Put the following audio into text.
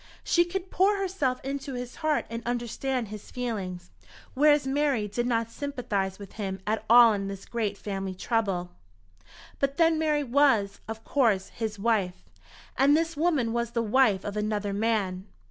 She could pour herself into his heart and understand his feelings, whereas Mary did not sympathize with him at all in this great family trouble. But then Mary was, of course, his wife, and this woman was the wife of another man.